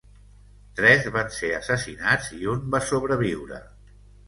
Tres van ser assassinats i un va sobreviure.